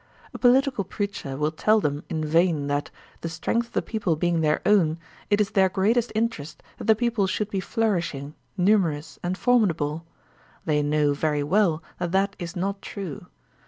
A political preacher will tell them in vain that, the strength of the people being their own, it is their greatest interest that the people should be flourishing, numerous, and formidable; they know very well that that is not true.